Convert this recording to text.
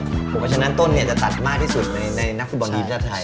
เพราะฉะนั้นต้นจะตัดมากที่สุดในนักฟุตบอลทีมชาติไทย